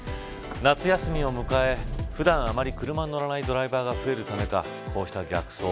夏休みを迎え普段、あまり車に乗らないドライバーが増えるためかこうした逆走